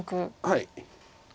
はい。